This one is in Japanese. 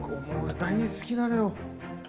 大好きなのよ。